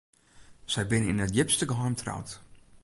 Sy binne yn it djipste geheim troud.